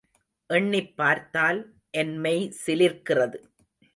எண்ணிப்பார்த்தால், என் மெய் சிலிர்க்கிறது!